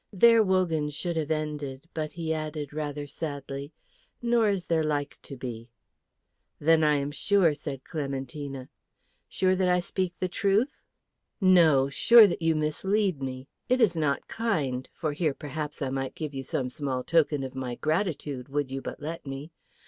There Wogan should have ended, but he added rather sadly, "Nor is there like to be." "Then I am sure," said Clementina. "Sure that I speak truth?" "No, sure that you mislead me. It is not kind; for here perhaps I might give you some small token of my gratitude, would you but let me.